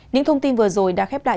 những thông tin vừa rồi đã khép lại